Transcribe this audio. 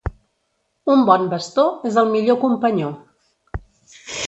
Un bon bastó és el millor companyó.